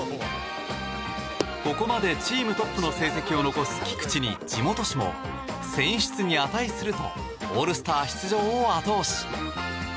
ここまでチームトップの成績を残す菊池に地元紙も、選出に値するとオールスター出場を後押し。